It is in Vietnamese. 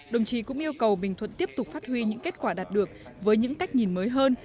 đồng chí cũng yêu cầu bình thuận tiếp tục phát huy những kết quả đạt được với những cách nhìn mới hơn